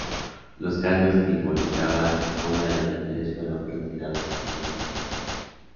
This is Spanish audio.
Los cargos que involucraban a una de las mujeres fueron retirados antes del juicio.